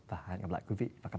và hẹn gặp lại quý vị và các bạn